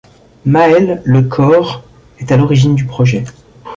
Maëlle Le Corre est à l'origine du projet.